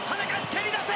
蹴り出せ！